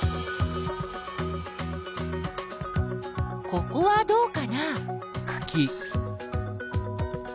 ここはどうかな？